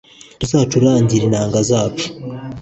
tuzacurangire inanga zacu